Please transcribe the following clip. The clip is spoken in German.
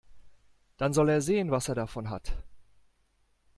Dann soll er sehen, was er davon hat.